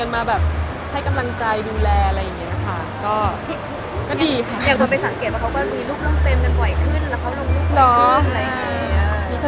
มาให้กำลังใจดูแลอะไรอย่างนี้นะคะ